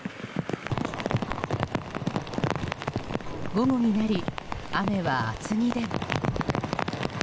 午後になり、雨は厚木でも。